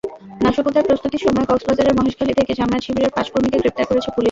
নাশকতার প্রস্তুতির সময় কক্সবাজারের মহেশখালী থেকে জামায়াত-শিবিরের পাঁচ কর্মীকে গ্রেপ্তার করেছে পুলিশ।